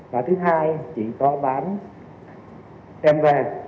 và thứ hai chỉ có bán đem về